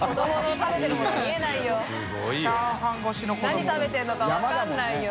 何食べてるのか分からないよ。